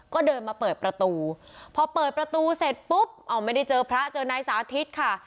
ก็เดินมาเปิดประตูพอเปิดประตูเสร็จปุ๊บเอาไม่ได้เจอพระเจอนายสาธิตค่ะ